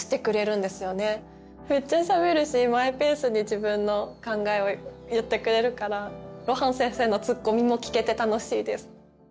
めっちゃしゃべるしマイペースに自分の考えを言ってくれるから露伴先生のツッコミも聞けて楽しいです。